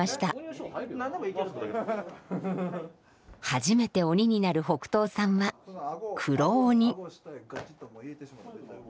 初めて鬼になる北東さんは黒鬼。